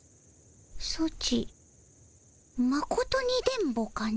ソチまことに電ボかの？